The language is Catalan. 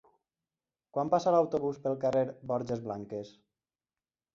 Quan passa l'autobús pel carrer Borges Blanques?